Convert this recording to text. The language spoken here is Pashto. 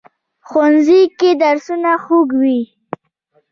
ښوونځی کې درسونه خوږ وي